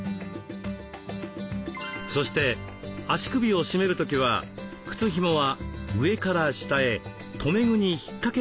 そして足首を締める時は靴ひもは上から下へ留め具に引っ掛けるようにします。